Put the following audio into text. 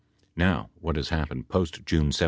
Now what has happened post June 17